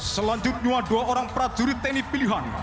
selanjutnya dua orang prajurit tni pilihan